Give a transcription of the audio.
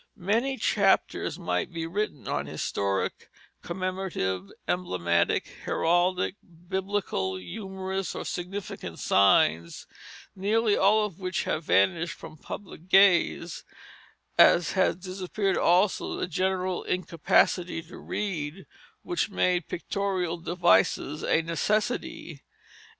Many chapters might be written on historic, commemorative, emblematic, heraldic, biblical, humorous, or significant signs, nearly all of which have vanished from public gaze, as has disappeared also the general incapacity to read, which made pictorial devices a necessity.